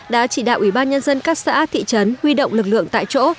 đã chỉ đạo ủy ban nhân dân các xã thị trấn huy động lực lượng tại chỗ